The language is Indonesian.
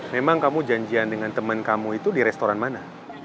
memang kamu janjian dengan teman kamu itu di restoran mana